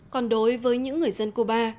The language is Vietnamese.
còn đối với những người dân cuba